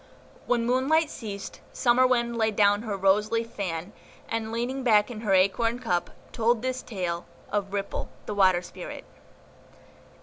When Moonlight ceased, Summer Wind laid down her rose leaf fan, and, leaning back in her acorn cup, told this tale of RIPPLE, THE WATER SPIRIT.